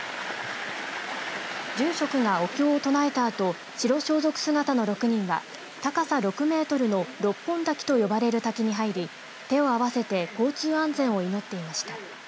住職がお経を唱えたあと白装束姿の６人が高さ６メートルの六本滝と呼ばれる滝に入り手を合わせて交通安全を祈っていました。